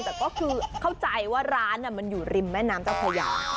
แต่ก็คือเข้าใจว่าร้านมันอยู่ริมแม่น้ำเจ้าพญา